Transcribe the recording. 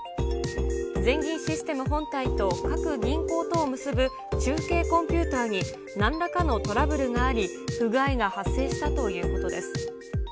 全銀システム本体と各銀行とを結ぶ中継コンピューターになんらかのトラブルがあり、不具合が発生したということです。